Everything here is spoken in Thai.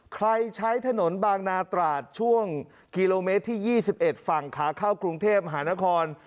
ใช้ถนนบางนาตราดช่วงกิโลเมตรที่๒๑ฝั่งขาเข้ากรุงเทพมหานคร